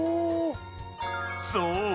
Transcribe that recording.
［そう。